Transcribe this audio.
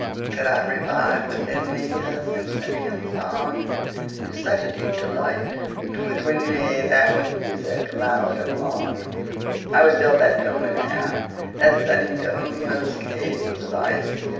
Could I revive within me, Her symphony and song, To such a deep delight 'twould win me, That with music loud and long, 45 I would build that dome in air, That sunny dome! those caves of ice!